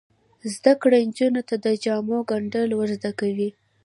زده کړه نجونو ته د جامو ګنډل ور زده کوي.